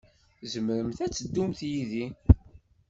Tzemremt ad teddumt yid-i.